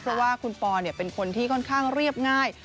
เพราะว่าคุณปอเป็นคนที่ค่อนข้างเรียบง่าย